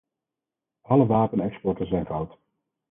Alle wapenexporten zijn fout.